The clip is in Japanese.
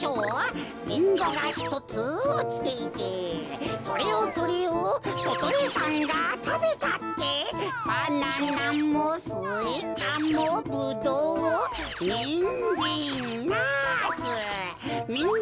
リンゴがひとつおちていてそれをそれをことりさんがたべちゃってバナナもスイカもブドウニンジンナスみんな